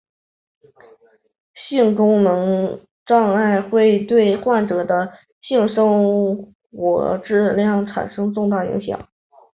性功能障碍会对患者的性生活质量产生重大影响。